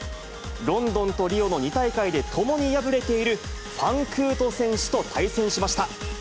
ロンドンとリオの２大会でともに敗れている、ファンクート選手と対戦しました。